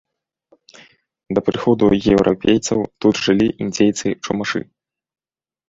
Да прыходу еўрапейцаў тут жылі індзейцы-чумашы.